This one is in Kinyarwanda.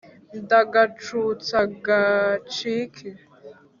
ndagacutsa gacike